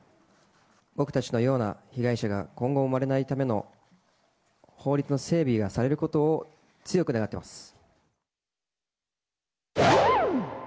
僕たちのような被害者が今後生まれないための法律の整備がされることを強く願ってます。